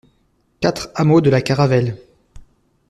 quatre hameau de la Caravelle